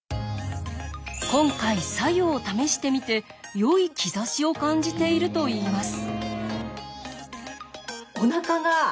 今回白湯を試してみてよい兆しを感じているといいます。